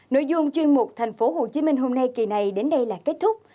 nội dung chuyên mục thành phố hồ chí minh hôm nay kỳ này đến đây là kết thúc